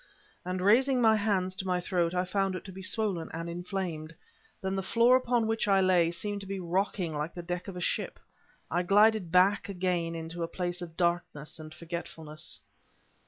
And, raising my hands to my throat, I found it to be swollen and inflamed. Then the floor upon which I lay seemed to be rocking like the deck of a ship, and I glided back again into a place of darkness and forgetfulness.